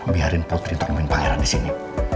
biarin putri turnamen pangeran di sini